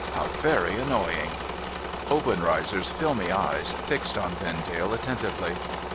How very annoying !' Obenreizer's filmy eyes fixed on Vendale attentively.